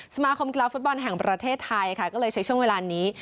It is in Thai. สมาคมกีฬาฟุตบอลแห่งประเทศไทยค่ะก็เลยใช้ช่วงเวลานี้